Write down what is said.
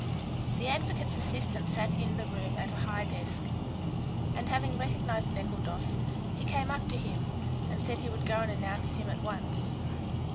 The advocate's assistant sat in the room at a high desk, and having recognised Nekhludoff, he came up to him and said he would go and announce him at once.